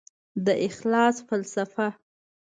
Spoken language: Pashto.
د اخلاص فلسفه